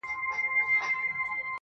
دا ارزښتمن شى په بټوه كي ساته.